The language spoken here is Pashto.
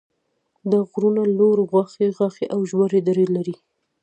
دا غرونه لوړ غاښي غاښي او ژورې درې لري.